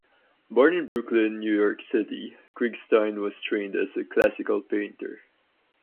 Born in Brooklyn, New York City, Krigstein was trained as a classical painter.